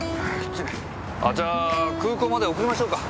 あじゃあ空港まで送りましょうか？